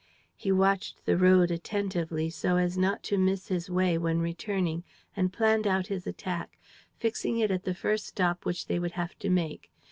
He watched the road attentively, so as not to miss his way when returning, and planned out his attack, fixing it at the first stop which they would have to make.